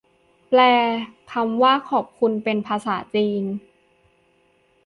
แปลคำว่า ขอบคุณ เป็นภาษาจีน